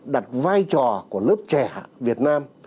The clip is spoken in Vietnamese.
đặt vai trò của lớp trẻ việt nam